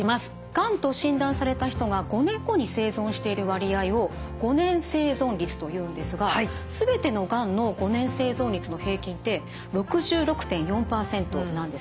がんと診断された人が５年後に生存している割合を５年生存率というんですが全てのがんの５年生存率の平均って６６．４％なんですね。